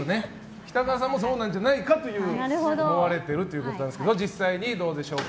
北川さんもそうなんじゃないかと思われているということですが実際にどうでしょうか。